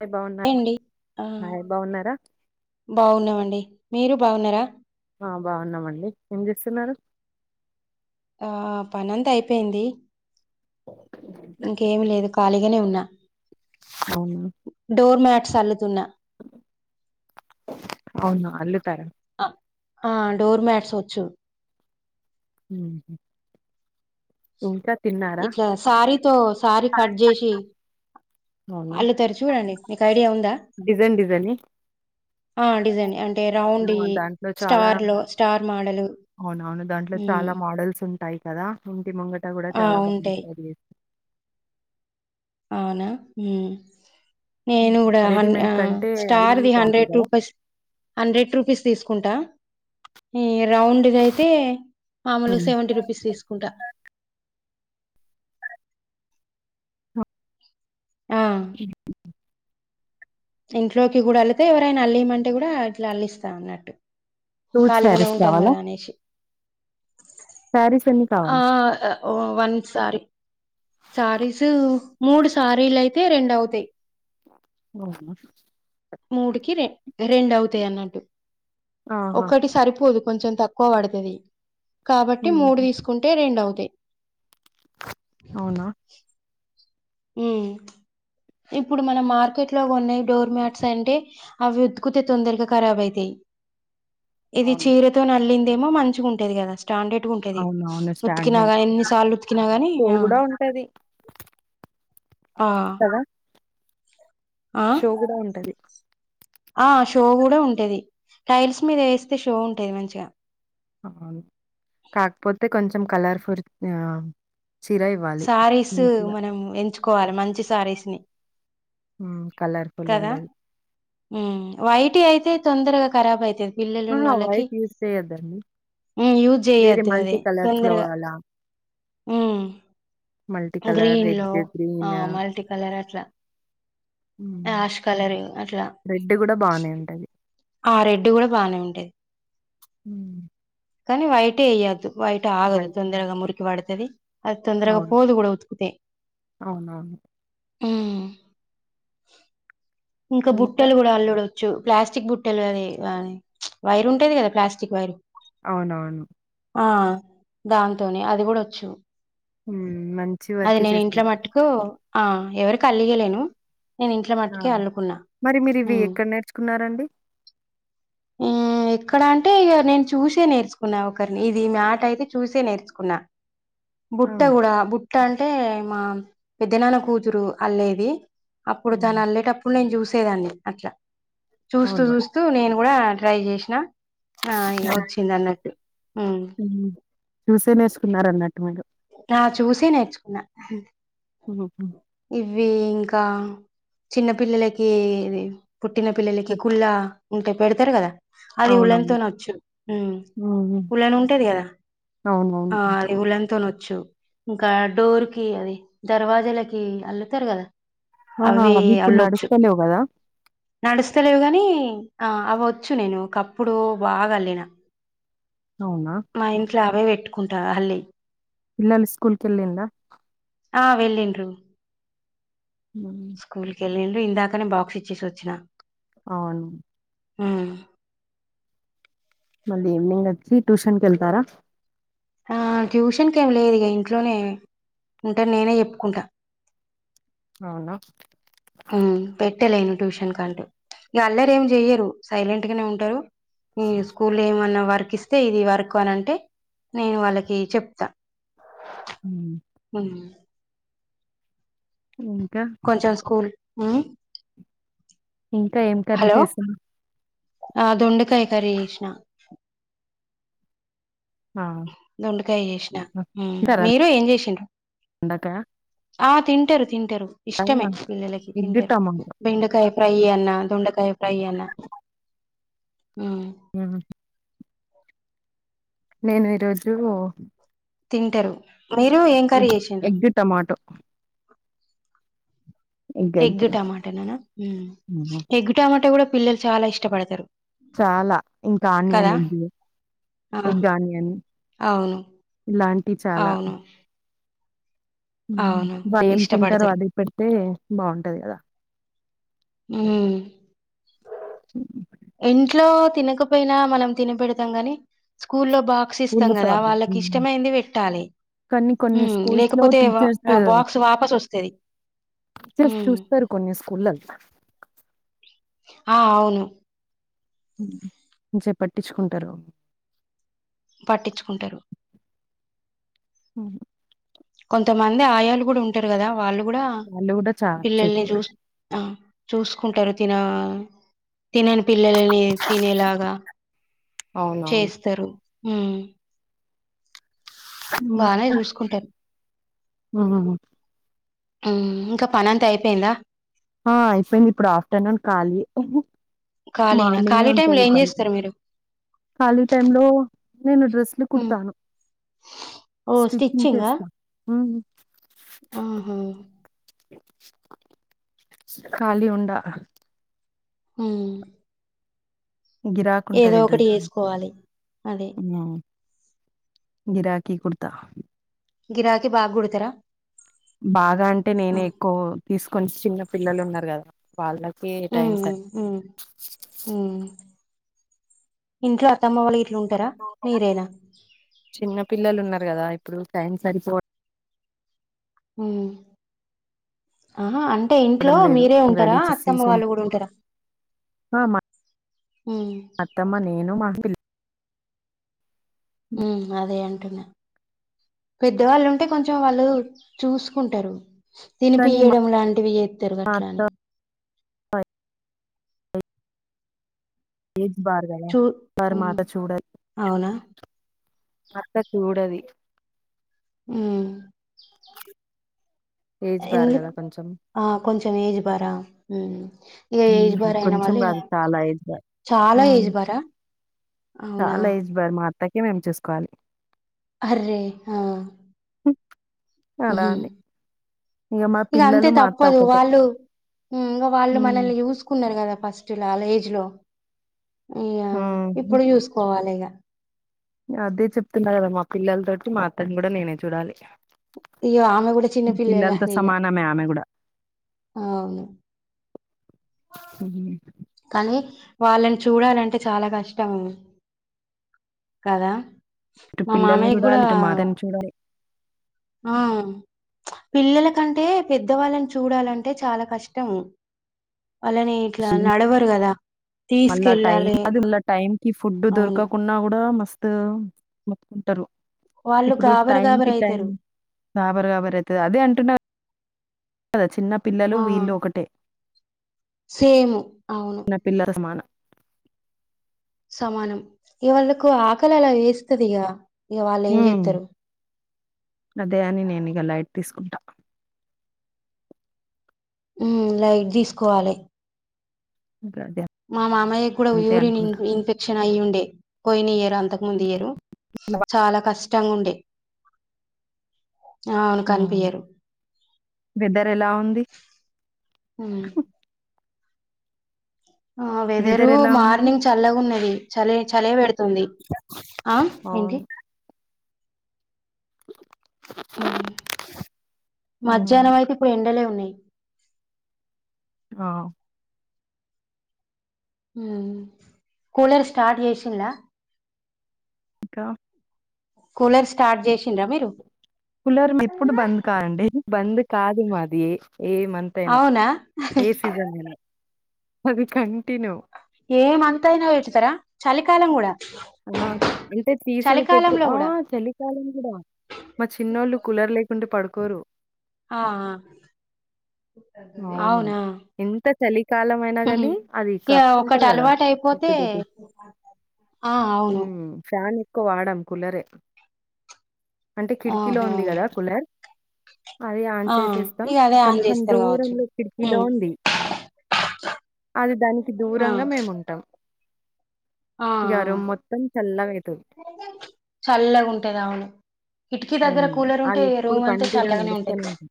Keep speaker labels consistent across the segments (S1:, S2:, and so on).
S1: Hi బాగున్నా hi బాగున్నారా
S2: బాగున్నామండి. మీరు బాగున్నారా.
S1: ఆహ్ బాగున్నామండి ఏం చేస్తున్నారు.
S2: ఆహ్ పనంతా అయిపోయింది. ఇంకేమి లేదు. ఖాళీగానే ఉన్నా.
S1: అవును.
S2: చల్లుతున్న.
S1: అవునా అల్లుతారా.
S2: ఆహ్ డోర్ మ్యాట్స్ వచ్చు.
S1: ఉమ్మ్ ఇంకా. తిన్నారా
S2: ఇట్లా శారీతో సారీ కట్ చేసి
S1: అవునా
S2: అల్లుతారు చూడు అది. మీకు ఐడియా ఉంద్
S1: డిజైన్ డిజైన్వి
S2: ఆ డిజైన్ అంటే రౌండ్
S1: అయ్యో
S2: యి
S1: దాంట్లో చాలా
S2: స్టార్ లో స్టార్ మోడలు
S1: అవును అవును దాంట్లో
S2: మ్మ్
S1: చాలా మోడల్స్ ఉంటాయి. ఆహ్ ఉహూ. ఇంటి ముంగిట కూడా
S2: ఆ
S1: చాలా
S2: ఉంటాయి
S1: బాగుంటాది చేస్తే.
S2: అవునా. నేను కూడా హన్
S1: రెడీమేడ్
S2: ఆహ్
S1: కంటే అది
S2: స్టార్ది
S1: బాగుంటాయి
S2: హండ్రెడ్
S1: కదా
S2: రూపీస్ హండ్రెడ్ రూపీస్. తీసుకుంటా. రౌండ్ది అయితే మామూలుగా సెవెంటీ రూపీస్ తీసుకుంటా.
S1: ఆహ్
S2: ఆ
S1: ఏను.
S2: ఇంట్లోకి కూడా అల్లితే ఎవరైనా అల్లియమంటే కూడా ఇట్లా అల్లిస్తా అన్నట్టు.
S1: సూట్
S2: ఖాళీగానే ఉంటాం కదా అనేసి.
S1: సారిస్ అన్ని కావాలి.
S2: ఓ వన్ శారీ. శారీస్ మూడు శారీలు అయితే రెండు అవుతాయి.
S1: ఉమ్మ్.
S2: మూడుకి రె రెండు అవుతాయి అన్నట్టు
S1: ఆహా
S2: ఒక్కటి సరిపోదు కొంచెం తక్కువ పడుతది కాబట్టి
S1: ఉమ్.
S2: మూడు తీసుకుంటే రెండు అవుత తి
S1: అవునా
S2: ఉ ఇప్పుడు మన మార్కెట్ లో కొన్నాయి డోర్మట్స్ అంటే అవి ఉతుకితే తొందరగా ఖరాబ్ అయితాయి ఇది
S1: అవును
S2: చీరతోను అల్లింది ఏమో మంచిగా ఉంటది కదా స్టాండర్డ్ గా ఉంటాది
S1: అవునవును స్టాండ్
S2: ఉతికినా
S1: నెక్
S2: గాని ఎన్ని సార్లు ఉతికినా గాని
S1: షో
S2: ఆ
S1: కూడా ఉంటది
S2: ఆ
S1: కదా
S2: ఆ
S1: షో కూడా ఉంటది
S2: ఆ షో కూడా ఉంటది టైల్స్ మీద వేస్తే షో ఉంటది మంచిగా
S1: ఆ కాకపోతే కొంచెం కలర్ ఫుర్ ఆ
S2: సారీస్ మనం ఎంచు కోవాలి మంచి సారీస్ ని
S1: ఉ
S2: కదా వైటి అయితే అయితే తొందరగా ఖరాబ్ అయితది పిల్లలు ఉన్న
S1: అహా!
S2: వాళ్ళకి
S1: వైట్ యూజ్ చేయొద్దండి.
S2: యూజ్
S1: వేరే
S2: చేయొద్దు అది
S1: మల్టీ కలర్స్‌లో
S2: తొందరగా
S1: అలా మల్టీ కలర్
S2: గ్రీన్
S1: రెడ్,
S2: లో ఆ
S1: గ్రీన్
S2: మల్టీ కలర్ అట్లా యాష్ కలర్ అట్లా
S1: రెడ్ కూడా బానే ఉంటది
S2: ఆ రెడ్ కూడా బానే ఉంటది
S1: హ
S2: కానీ వైట్ వేయదు వైట్ ఆగదు తొందరగా మురుకి పడతది అది తొందరగా
S1: అవును.
S2: పోదు కూడా ఉతుకుతే
S1: అవునవును.
S2: హుము ఇంకా బుట్టలు కూడా అల్లుడు ప్లాస్టిక్ బుట్టలు అది వైరు ఉంటది కదా ప్లాస్టిక్ వైరు
S1: అవునవును
S2: ఆ దాంతోని అది కూడా వచ్చు
S1: హ్మ్. మంచి
S2: అది
S1: వర్కే
S2: నేను ఇంట్లో
S1: చేస్తారు.
S2: మట్టుకు ఆ ఎవరి కలిగాలేను నేను ఇంట్లో
S1: ఆ!
S2: మట్టుకే అల్లుకున్నా
S1: మరి మీరివి
S2: మ్మ్
S1: ఎక్కడ నేర్చుకున్నారండి?
S2: ఎక్కడ అంటే ఇక నేను చూసే నేర్చుకున్నా ఒకరిని ఇది మాట అయితే చూసే నేర్చుకున్నా బుట్ట
S1: అవును.
S2: కూడా బుట్ట అంటే మా పెద్ద నాన్న కూతురు అల్లేది అప్పుడు తను
S1: హ్మ్.
S2: అల్లేేటప్పుడు నేను చూస ట్టేదాని అట్లా చూస్తూ
S1: అవును.
S2: చూస్తూ నేను కూడా ట్రై చేసిన ఆయ వచ్చింది అన్నట్టు ఉమ్
S1: హ్మ్ తుస్ తినేసుకున్నారు అన్నట్టు మీరు
S2: ఆ చూసి నేర్చుకున్నా
S1: హ్మ్
S2: ఇవి ఇంకా చిన్న పిల్లలకి ఇది పుట్టిన పిల్లలకి కుల్ళ ఉంటే పెడతారు కదా అది ఉళ్ళని
S1: అవునవును.
S2: తినచ్చు హ్మ్
S1: హ్మ్.
S2: ఉళ్ళని ఉంటది కదా
S1: అవునవును.
S2: ఆ అది ఉళ్ళతోన ఇంకా డోర్ కి అది ధర ప్రజలకి అల్లుతారు కదా
S1: ఆహా!
S2: అవి
S1: ఇప్పుడు
S2: అల్లొచ్చు
S1: నడుస్తలేవు గదా!
S2: నడిస్తే లేవు కాని ఆ అవోచ్చు నేను ఒక ఒకప్పుడు బాగా అల్లిన
S1: అవునా
S2: మా ఇంట్లో అవే పెట్టుకుంటారు అల్లి
S1: పిల్లలు స్కూల్ కెల్లింద
S2: ఆ వెళ్ళింద్రు
S1: హ్మ్.
S2: స్కూల్కి వెళ్ళిల్ ఇందాకనే బాక్స్ ఇచ్చేసి వచ్చిన
S1: అవును
S2: మ్మ్
S1: ఈవ్నింగ్ వచ్చి ట్యూషన్ కి వేళ్తారా
S2: ఆ ట్యూషన్ కి ఏమి లేదు ఇక ఇంట్లోనే ఉంటే నేనే చెప్పుకుంటా
S1: అవునా
S2: పెట్టలేను ట్యూషన్ కంటూ ఇ అల్లరీ ఏం చెయ్యరు సైలెంట్ గానే ఉంటారు మ్మ్ స్కూలో ఏమన్నా వర్ వరికిస్తే ఇది వరకు అని అంటే నేను వాళ్ళకి చెప్తా
S1: హ్మ్.
S2: మ్మ్
S1: ఇంకా
S2: హ్మ్మ్
S1: ఇంకా ఏం కర్రీ చేసాను
S2: ఆ దొండకాయ కర్రీ చేసిన
S1: ఆ!
S2: దొండకాయ చేసిన
S1: ఆ! తింటారా
S2: మీరు ఏం చేశారు
S1: దొండకాయ
S2: ఆ తింటారు తింటారు ఇష్టమే
S1: ఆ!
S2: పిల్లలకి
S1: ఎగ్,
S2: తింటారు
S1: టమాటో.
S2: బెండకాయ ఫ్రై అన్న దొండకాయ ఫ్రై అన్న
S1: [unintelligible]
S2: ఓ
S1: నేను ఈరోజు
S2: తింటారు మీరు ఏం కరీ
S1: ఎగ్
S2: చేశారు
S1: ఎగ్, టమాటో.
S2: ఎగ్ టమాటనానా
S1: హుహు.
S2: ఎగ్ టమాట కూడా పిల్లలు చాలా ఇష్టపడతరు
S1: చాలా ఇంకా ఆనియన్ ఎగ్
S2: ఆ
S1: ఎగ్ ఆనియన్
S2: అవును
S1: ఇలాంటి చాలా
S2: అవును
S1: హ్మ్
S2: అవును
S1: వాళ్ళెం ఏం తింటరో
S2: ఇష్టపడతారు
S1: అది పెడితే బాగుంటది కదా
S2: మ్మ్ ఇంట్లో తినకపోయినా మనం తిన పెడతాం గాని స్కూ లో బాక్స్ ఇస్తాం
S1: స్కూల్‌లో
S2: కదా
S1: ప్రాబ్లమ్.
S2: వాళ్ళకి
S1: హ్మ్.
S2: ఇష్టమైంది పెట్టాలి
S1: కానీ కొన్ని స్కూల్స్ లో
S2: లేకపోతే బాక్స్ వాపస్ వ తది
S1: చర్స్ చూస్తారు కొన్ని స్కూళ్ళల్ల
S2: ఆ అవును
S1: హ్మ్ ంచిగా పట్టిచ్కుంటరు
S2: పట్టిచ్చుకుంటరు
S1: హ్మ్
S2: కొంతమంది ఆయాలు కూడా ఉంటారు కదా వాళ్ళు కూడా
S1: వాళ్ళు గూడా చా
S2: పిల్లల్ని
S1: చూస్తారు.
S2: చూసి ఆ చూసుకుంటరు తిన తినని పిల్లలని తినేలాగా
S1: అవునవును.
S2: చేస్తరు హ్మ్ బానే చూసుకుంటరు
S1: హ్మ్మ్ హ్మ్మ్
S2: ఉమ్ ఇంక పనంతా అయిపోయిందా.
S1: ఆ అయిపోయింది ఇప్పుడు ఆఫ్టర్నూన్ ఖాళీ ఏ
S2: ఖాళీనా?
S1: మార్నింగే
S2: ఖాళీ టైంలో
S1: ఉంటాయి
S2: ఏం
S1: పని
S2: జేస్తారు మీరు?
S1: ఖాళీ టైం లో నేను డ్రెస్లు
S2: హ్మ్.
S1: కుడతాను
S2: ఓహ్!
S1: స్టిచ్చింగ్
S2: స్టిచ్చింగా?
S1: చేస్తా.
S2: ఆహా
S1: ఖాళీ ఉండా
S2: హ్మ్ ఏదో
S1: గిరాకుంటది
S2: ఒకటి
S1: డ్రెస్‌లు.
S2: చేసుకోవాలి అదే
S1: గిరాకిీ కుడ్తా
S2: గిరాకి బాగా కుడతరా
S1: బాగా అంటే నేనే ఎక్కువ తీసుకొని చిన్న పిల్లలు ఉన్నరు కదా వాళ్ళ
S2: ఉ ఉ ఉ ఇంట్ల అత్తమ్మ వాళ్ళు గిట్ల ఉంటరా
S1: సరి
S2: మీరేనా
S1: చిన్న పిల్లలు ఉన్నారు కదా ఇప్పుడు టైం సరిపోవ
S2: హ్మ్ అహా అం అంటే ఇంట్లో
S1: లేదు
S2: మీరే ఉంటారా
S1: రెడీ చేసి
S2: అత్తమ్మ
S1: స్కూల్
S2: వాళ్ళు కూడా ఉంటరా
S1: మా అత్తమ్మ నేను మా పిల్లల్
S2: ఉ అదే అంటున్నాను పెద్దవాళ్ళు ఉంటే కొంచెం వాళ్ళు చూసుకుంటారు
S1: కానీ మా
S2: తినిపియడం లాంటివి ఎత్తరు
S1: అత్త
S2: గట్లని
S1: ఏ
S2: చూ ఈ అవునా
S1: అత్త చూడది
S2: ఉ
S1: ఏజ్ బార్
S2: ఎందు
S1: కదా కొంచెం
S2: ఆ కొంచం ఏజ్ బార ఆ ఇక ఏజ్ బార అయిన
S1: కొంచెం
S2: వాళ్ళు ఇక
S1: కాదు చాలా ఏజ్ బార్
S2: చాలా ఏజ్ బార
S1: చాలా ఇస్ బర్ మాత్ర తకే మేము చేసుకోవాలి
S2: అర్రే ఆ
S1: అలా అని మా
S2: ఇక అంతే
S1: పిల్లలు మా అత్త
S2: తప్పదు
S1: ఒకటే
S2: వాళ్ళు ఇంకా వాళ్ళు మనల్ని చూసుకున్నారు కదా ఫస్ట్ లో అాల ఏజ్ లో అయ్యా ఇప్పుడు చూసుకోవాలి ఇగ
S1: అదే చెప్తున్నా కదా మా పిల్లలతోోటి మా అత్తని కూడా నేనే చూడాలి
S2: ఇక ఆమె కూడా చిన్న పిల్లలా
S1: పిల్లలతో
S2: ఇక
S1: సమానమే ఆమె కూడా
S2: అవును
S1: అ
S2: కానీ వాళ్ళని చూడాలంటే చాలా కష్టం కదా
S1: ఇటు
S2: మా
S1: పిల్లల్ని
S2: మామయ్య కూడా
S1: చూడాలి ఇటు మాతని చూడాలి
S2: ఆ మ్చ్ పిల్లలకంటే పెద్దవాళ్ళని చూడాలంటే చాల కష్టం వాళ్ళనీ ఇట్ల
S1: అసలు
S2: నడవరు గదా
S1: మళ్ళా టైమ్ అది మళ్ళ టైం కి ఫుడ్
S2: అవును
S1: దొరకకున్నా కూడా మస్ గా మొత్కుంటరు
S2: వాళ్ళు
S1: ఇప్పుడు
S2: గాబర
S1: టైం
S2: గాబర
S1: కి టైం
S2: అయితారు
S1: గాబర గాబరైతది అదే అంటున్నా [unintelligible]
S2: ఆ
S1: వీళ్ళు ఒకటే.
S2: సేము
S1: న పిల్ల రసమాన
S2: సమానం ఇగ వాళ్లకు ఆకలలా వేస్తుదిగా ఇగ
S1: హ్మ్.
S2: వాళ్లేంజేత్తరు
S1: అదే అని నేనిగ లైట్ తీసుకుంట
S2: ఉ లైట్ తీసుకోవాలె
S1: ఇగ అదే
S2: మా మామయ్యక్కూడా
S1: అంతే
S2: యూరిన్ ఇన్
S1: అనుకుంటా.
S2: ఇన్ఫెక్షన్ అయ్యుండేది పొయినియర్ అంతకు ముందియరూ చాలా కష్టంగుండె
S1: హూ
S2: కనిపియరు
S1: వెదర్ ఎలా ఉంది హ హు
S2: ఆ వెదరూ
S1: వెదర్ ఎలా ఉంది?
S2: మార్నింగ్ చల్లగున్నది చలే చలే పెడుతుంది ఆ ఏంటి
S1: అవును.
S2: హు
S1: హ్మ్.
S2: మధ్యాహ్నమైతే ఇప్పుడు ఎండలే ఉన్నయి
S1: ఆ
S2: ఉ కూలర్ స్టార్ట్ చేసిల్లా
S1: ఇంకా
S2: కూలర్ స్టార్ట్ జేసిండ్రా మీరు
S1: కులర్ ఎప్పుడు బంద్ కాదండి బంద్ కాదు మాది ఏ మంత్ అయినా
S2: అవునా
S1: ఏ సిజన్ అయినా అది కంటిన్యూ
S2: ఏం మంత్ అయినా పెడతరా చెలికాలం గూడ
S1: ఆ అంటే తీసుడు పెట్టు ఆ
S2: కూడా
S1: చలికాలం గుడా మా చిన్నోళ్ళు కులర్ లేకుంటే పడుకోరు
S2: ఆ ఆ,
S1: అవును
S2: అవునా
S1: ఎంత చలి కాలం అయినా
S2: ఉహు.
S1: గనీ అది
S2: ఇక
S1: కప్పుకుంటరు
S2: ఒకటి
S1: గదా
S2: అలవాటు అయిపోతే
S1: [unintelligible]
S2: ఆ
S1: ఊ
S2: అవును
S1: ఫాన్ ఎక్కువ వాడం కులరే అంటే కిటికీలో
S2: ఆహా
S1: ఉంది కదా కూలర్ అది ఆన్
S2: ఆ
S1: చేసేస్తాం
S2: ఇగ అదే ఆన్
S1: కొంచెం
S2: చేస్తారు కావచ్చు
S1: దూరంలో కిటికీలో
S2: ఉమ్
S1: ఉంది అది దానికి
S2: ఆ
S1: దూరంగా మేము ఉంటాం ఇగ రూమ్ మొత్తం చల్లగా అయి
S2: చల్లగ ఉంటది ఆవును
S1: యూ అది ఎప్పుడు కంటిన్యూ
S2: చల్లగానే ఉంటది
S1: నడుస్తానే ఉన్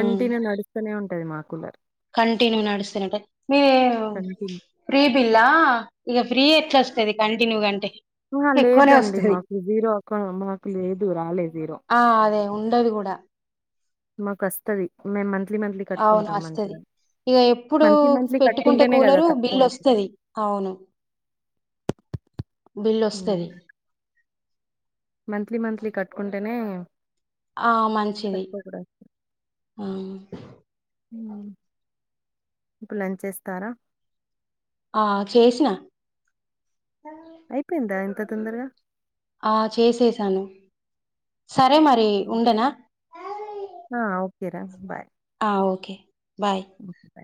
S2: ఉమ్
S1: నడుస్తానే ఉంటది మా కులర్
S2: కంటిన్యూ నడుస్తానే ఉంటది మీ
S1: కంటిన్యూ.
S2: ఫ్రీ బిల్ ఆ ఇక ఫీ ఫ్రీ ఎట్లా వస్తది కంటిన్యూ కంటే
S1: ఆహా లేదండి మాకు జీరో అక్కౌన్ మాకు లేదు రాలేదు జీరో
S2: ఉండది కూడా
S1: మాకు వస్తది మేము మన్
S2: అవును వస్తది ఇక ఎప్పుడు
S1: మంత్లీ మంత్లీ
S2: పెట్టుకుంటే
S1: కట్టుకుంటేనే గదా
S2: కూలర్
S1: తక్కువ
S2: బిల్
S1: ఉంటది.
S2: వస్తది అవును బిల్ వస్తది
S1: హ్మ్. మంత్లీ మంత్లీ కట్టుకుంటేనే
S2: ఆ మంచిది
S1: తక్కువ
S2: ఆ
S1: హా ఇప్ లంచ్ చేస్తారా
S2: ఆ చేసినా
S1: అయిపోయిందా ఇంత తొందరగా?
S2: ఆ చేసేసాను సరే మరి
S1: హ్మ్.
S2: ఉండనా
S1: ఏరా బాయ్
S2: ఆ ఓకే బాయ్
S1: హ్మ్. బాయ్.